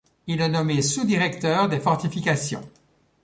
Il est nommé sous-directeur des fortifications.